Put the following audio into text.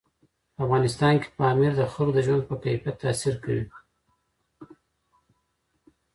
په افغانستان کې پامیر د خلکو د ژوند په کیفیت تاثیر کوي.